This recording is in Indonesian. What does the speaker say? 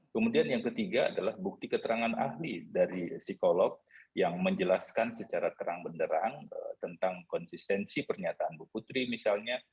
kemudian yang ketiga adalah bukti keterangan ahli dari psikolog yang menjelaskan secara terang benderang tentang konsistensi pernyataan bu putri misalnya